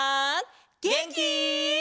げんき？